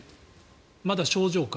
まだ症状か。